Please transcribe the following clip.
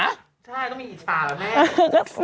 ใช่ต้องมีอิจฉาแม่